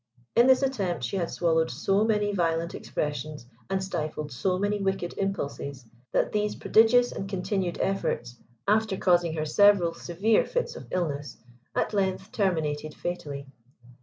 In this attempt she had swallowed so many violent expressions, and stifled so many wicked impulses, that these prodigious and continued efforts, after causing her several severe fits of illness, at length terminated fatally.